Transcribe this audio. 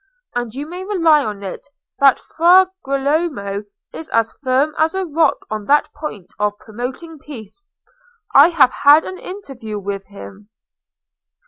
And you may rely on it that Fra Girolamo is as firm as a rock on that point of promoting peace. I have had an interview with him."